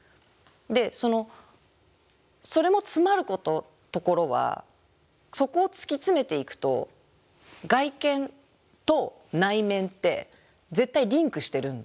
でそれもつまるところはそこを突き詰めていくと外見と内面って絶対リンクしてるんで。